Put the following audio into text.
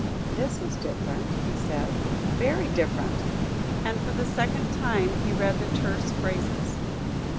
"This is different," he said, "very different," and for the second time he read the terse phrases.